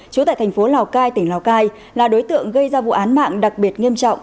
trú tại thành phố lào cai tỉnh lào cai là đối tượng gây ra vụ án mạng đặc biệt nghiêm trọng